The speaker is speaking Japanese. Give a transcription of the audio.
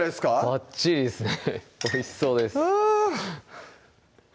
ばっちりですねおいしそうですあぁ！